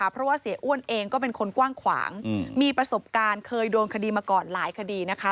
เพราะว่าเสียอ้วนเองก็เป็นคนกว้างขวางมีประสบการณ์เคยโดนคดีมาก่อนหลายคดีนะคะ